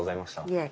いえ。